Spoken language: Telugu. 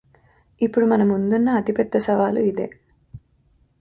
ఇప్పుడు మన ముందున్న అతి పెద్ద సవాలు ఇదే